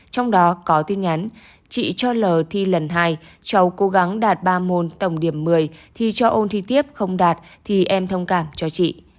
trong đó có tin nhắn chị cho l thi lần hai cháu cố gắng đạt ba môn tổng điểm một mươi thì cho ôn thi tiếp không đạt thì em thông cảm cho chị